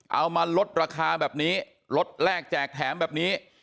เอามาลดราคาแบบนี้ลดแรกแจกแถมแบบนี้